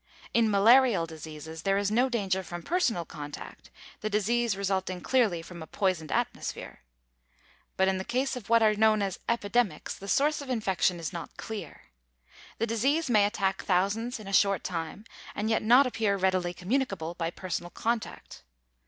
In malarial diseases there is no danger from personal contact; the disease resulting clearly from a poisoned atmosphere. But in the case of what are known as epidemics, the source of infection is not clear. The disease may attack thousands in a short time, and yet not appear readily communicable by personal contact.